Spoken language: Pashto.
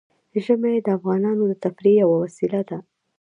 ژمی د افغانانو د تفریح یوه وسیله ده.